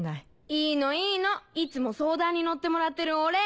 いいのいいのいつも相談に乗ってもらってるお礼。